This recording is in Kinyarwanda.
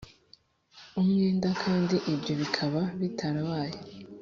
Umwenda kandi ibyo bikaba bitarabaye